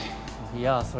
いやそれは。